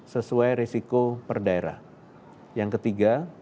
sesuai risiko permasalahan covid sembilan belas